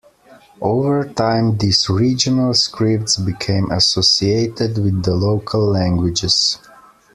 Over time, these regional scripts became associated with the local languages.